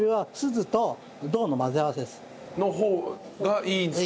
の方がいいんですか？